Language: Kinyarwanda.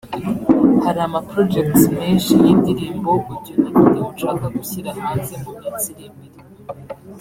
hari ama projects menshi y’indirimbo audio na video nshaka gushyira hanze mu minsi iri imbere